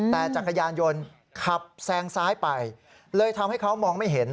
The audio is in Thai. แต่จักรยานยนต์ขับแซงซ้ายไปเลยทำให้เขามองไม่เห็น